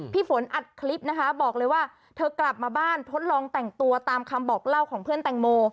ฝนอัดคลิปนะคะบอกเลยว่าเธอกลับมาบ้านทดลองแต่งตัวตามคำบอกเล่าของเพื่อนแตงโม